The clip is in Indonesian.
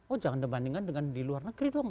oh jangan dibandingkan dengan di luar negeri dong